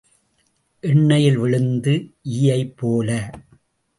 எண்ணெயில் விழுந்த ஈயைப் போல.